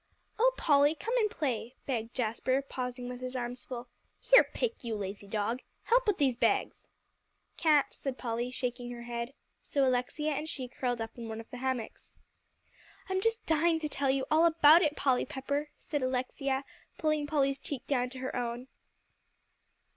"Oh Polly, come and play," begged Jasper, pausing with his arms full. "Here, Pick, you lazy dog. Help with these bags." "Can't," said Polly, shaking her head. So Alexia and she curled up in one of the hammocks. "I'm just dying to tell you all about it, Polly Pepper," said Alexia, pulling Polly's cheek down to her own.